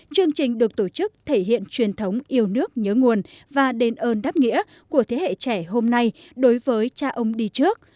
chương trình được tổ chức thể hiện truyền thống yêu nước nhớ nguồn và đền ơn đáp nghĩa của thế hệ trẻ hôm nay đối với cha ông đi trước